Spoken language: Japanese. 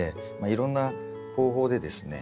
いろんな方法でですね